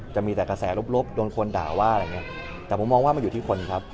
จะมีแต่กระแสลบโดนคนด่าว่าอะไรอย่างเงี้ยแต่ผมมองว่ามันอยู่ที่คนครับ